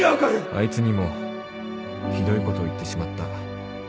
あいつにもひどいことを言ってしまった